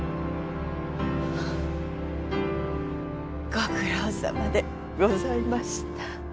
ご苦労さまでございました。